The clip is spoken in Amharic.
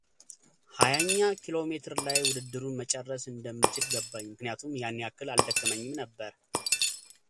ሀያኛ ኪሎ ሜትር ላይ ውድድሩን መጨረስ እንደምችል ገባኝ ምክንያቱም ያን ያክል አልደከመኝም ነበር።